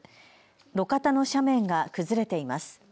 路肩の斜面が崩れています。